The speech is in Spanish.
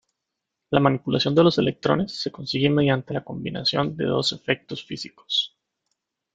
La manipulación de los electrones se consigue mediante la combinación de dos efectos físicos.